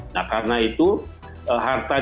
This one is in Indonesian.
nah karena itu harta di dalamnya